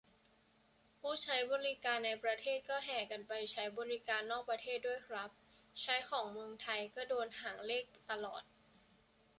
ผู้ใช้บริการในประเทศก็จะแห่กันไปใช้บริการนอกประเทศด้วยครับ ใช้ของเมืองไทย โดนหางเลขตลอด